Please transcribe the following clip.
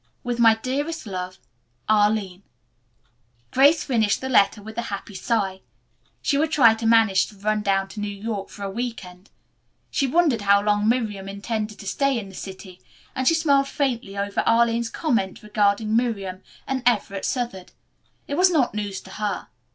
With my dearest love, Arline" Grace finished the letter with a happy sigh. She would try to manage to run down to New York for a week end. She wondered how long Miriam intended to stay in the city and she smiled faintly over Arline's comment regarding Miriam and Everett Southard. It was not news to her.